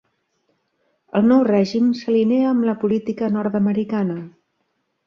El nou règim s'alinea amb la política nord-americana.